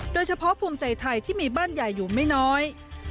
โดยเฉพาะภูมิใจไทยที่มีบ้านใหญ่อยู่ไม่น้อย